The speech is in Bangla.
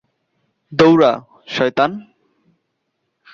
দৌঁড়া, শয়তান!